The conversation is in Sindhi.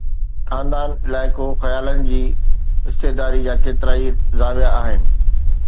خاندان، علائقو، خيالن جي حصيداري جا ڪيترائي زاويه آهن.